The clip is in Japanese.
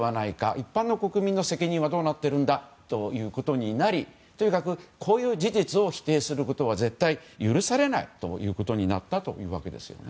一般の国民の責任はどうなっているんだということになりとにかくこういう事実を否定することは絶対に許されないことになったわけです。